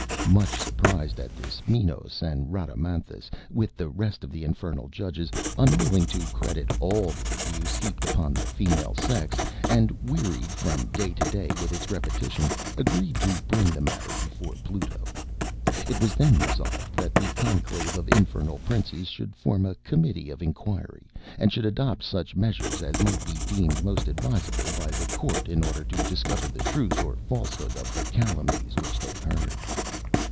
Much surprised at this, Minos and Rhadamanthus, with the rest of the infernal judges, unwilling to credit all the abuse heaped upon the female sex, and wearied from day to day with its repetition, agreed to bring the matter before Pluto. It was then resolved that the conclave of infernal princes should form a committee of inquiry, and should adopt such measures as might be deemed most advisable by the court in order to discover the truth or falsehood of the calumnies which they heard.